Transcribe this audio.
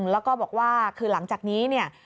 แล้วก็บอกว่าคือหลังจากนี้เนี่ย